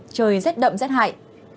trời rất đậm rất hại